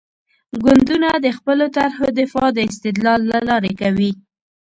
ګوندونه د خپلو طرحو دفاع د استدلال له لارې کوي.